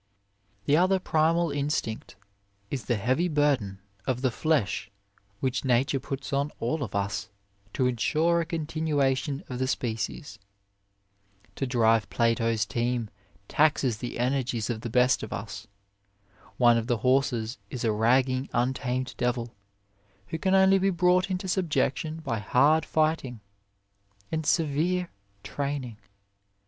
The other primal instinct is the heavy burden of the flesh which Nature puts on all of us to ensure a continuation of the species. To drive Plato s team 42 OF LIFE taxes the energies of the best of us. One of the horses is a rag ing, untamed devil, who can only be brought into subjection by hard fighting and severe training.